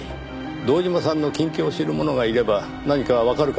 堂島さんの近況を知る者がいれば何かわかるかもしれません。